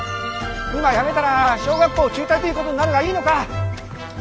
今やめたら小学校中退ということになるがいいのか？